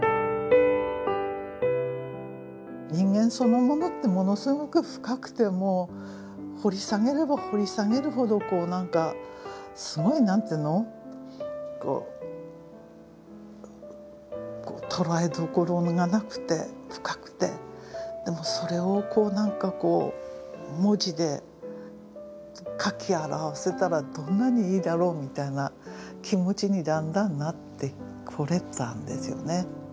人間そのものってものすごく深くて掘り下げれば掘り下げるほど何かすごい何ていうのとらえどころがなくて深くてでもそれを何かこう文字で書き表せたらどんなにいいだろうみたいな気持ちにだんだんなってこれたんですよね。